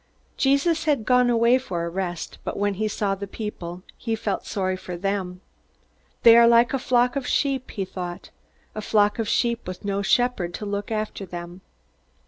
Jesus had gone away for a rest, but when he saw the people he felt sorry for them. They are like a flock of sheep, he thought _a flock of sheep with no shepherd to look after them.